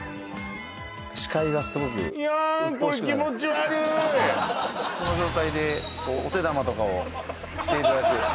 視界がすごくいやんこれその状態でお手玉とかをしていただく・